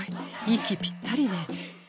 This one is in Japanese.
息ぴったりね。